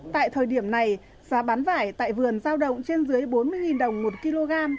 tại thời điểm này giá bán vải tại vườn giao động trên dưới bốn mươi đồng một kg